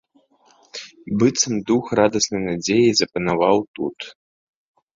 Быццам дух радаснай надзеі запанаваў тут.